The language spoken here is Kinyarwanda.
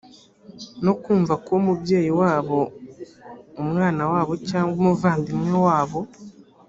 no kumva ko umubyeyi wabo umwana wabo cyangwa umuvandimwe wabo